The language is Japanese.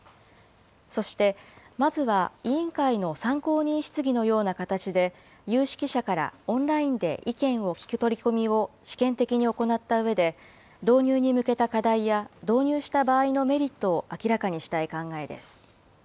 そして、まずは委員会の参考人質疑のような形で、有識者からオンラインで意見を聴く取り組みを試験的に行ったうえで、導入に向けた課題や導入した場合のメリットを明らかにしたい考えです。